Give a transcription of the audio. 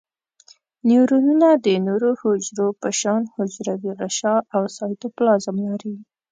نیورونونه د نورو حجرو په شان حجروي غشاء او سایتوپلازم لري.